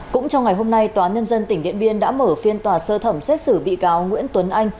cũng trong ngày hôm nay tòa nhân dân tỉnh điện biên đã mở phiên tòa sơ thẩm xét xử bị cáo nguyễn tuấn anh